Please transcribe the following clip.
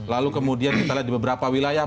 lalu kemudian kita lihat di beberapa wilayah